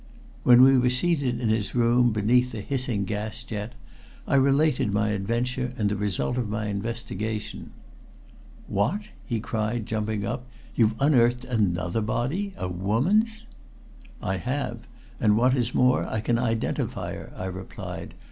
When we were seated in his room beneath the hissing gas jet, I related my adventure and the result of my investigation. "What?" he cried, jumping up. "You've unearthed another body a woman's?" "I have. And what is more, I can identify her," I replied.